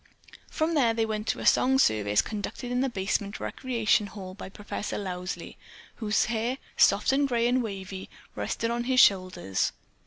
From there they went to a song service conducted in the basement recreation hall by Professor Lowsley, whose hair, soft, grey and wavy, rested on his shoulders.